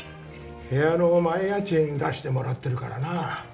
部屋の前家賃出してもらってるからな。